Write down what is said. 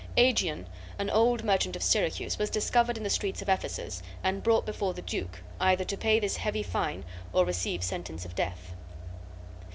Aegeon, an old merchant of Syracuse, was discovered in the streets of Ephesus, and brought before the duke, either to pay this heavy fine or receive sentence of death.